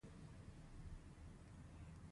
ما هم هڅه وکړه چې وخاندم.